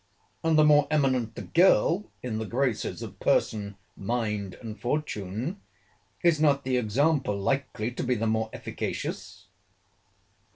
—And the more eminent the girl, in the graces of person, mind, and fortune, is not the example likely to be the more efficacious?